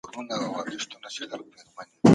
که قانون د دين خلاف نه وي.